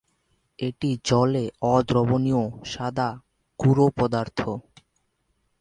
এটি জলে অদ্রবণীয় সাদা গুঁড়ো পদার্থ।